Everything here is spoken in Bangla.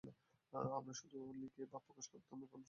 আমরা আগে শুধু লিখে ভাব প্রকাশ করতাম, এখন ছবি পোস্ট করি।